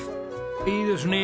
いいですね！